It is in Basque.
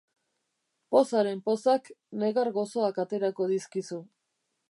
Pozaren pozak negar gozoak aterako dizkizu.